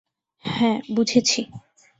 হ্যাঁ, বুঝেছি।